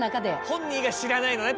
本人以外知らないのね